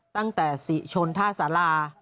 ตั้งแต่ศรีชนท่าศาลา